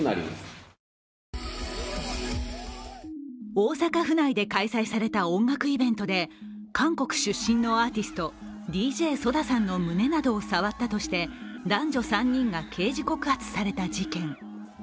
大阪府内で開催された音楽イベントで韓国出身のアーティスト・ＤＪ・ＳＯＤＡさんの胸などを触ったとして男女３人が刑事告発された事件。